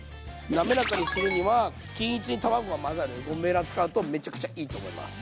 なめらかにするには均一に卵が混ざるゴムベラ使うとめちゃくちゃいいと思います。